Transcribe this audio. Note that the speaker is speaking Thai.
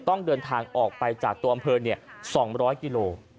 ต้องเดินทางออกไปจากตัวอำเภอ๒๐๐กิโล